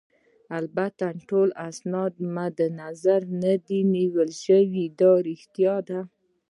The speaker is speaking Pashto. البته ټول اسناد مدنظر نه دي نیول شوي، دا ريښتیا ده.